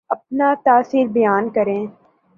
اپنا تاثر بیان کریں